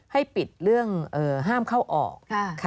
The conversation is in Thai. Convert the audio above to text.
ให้ปิดเรื่องห้ามเข้าออก